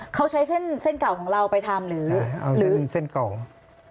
เขาใช้เส้นเส้นเก่าของเราไปทำหรือเป็นเส้นเก่า